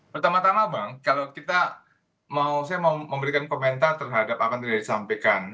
pertama tama bang kalau kita mau saya mau memberikan komentar terhadap apa yang tidak disampaikan